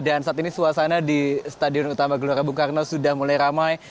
dan saat ini suasana di stadion utama gelora bung karne sudah mulai ramai